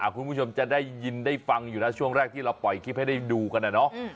คุณผู้ชมจะได้ยินได้ฟังอยู่นะช่วงแรกที่เราปล่อยคลิปให้ได้ดูกันนะเนาะ